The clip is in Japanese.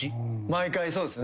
毎回そうですね。